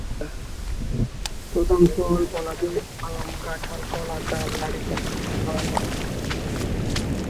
প্রধান ফল-ফলাদি আম, কাঁঠাল, কলা, তাল, নারিকেল।